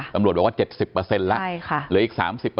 ตำรวจบอกว่า๗๐แล้วเหลืออีก๓๐